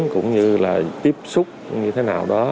cũng như là tiếp xúc như thế nào đó